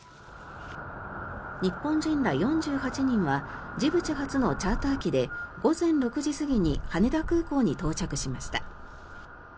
日本人ら４８人はジブチ発のチャーター機で午前６時過ぎに羽田空港に到着しました。